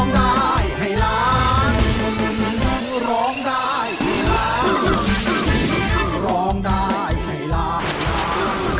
มันไม่ยาก